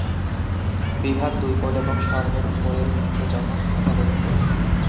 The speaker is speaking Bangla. বিভাগ দুই-পোল এবং স্বর্ণের উপরের ক্ষেত্র যখন তথাকথিত.